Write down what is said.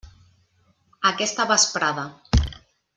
Aquesta vesprada.